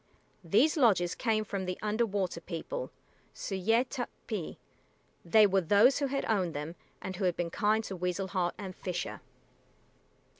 These lodges came from the Under water People S[=u]´y[=e] t[)u]p´p[)i]. They were those who had owned them and who had been kind to Weasel Heart and Fisher.